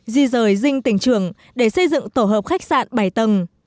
di rời dinh tỉnh trường để xây dựng tổ hợp khách sạn bảy tầng